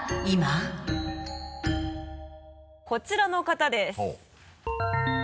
こちらの方です。